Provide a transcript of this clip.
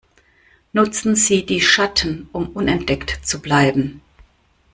Nutzen Sie die Schatten, um unentdeckt zu bleiben!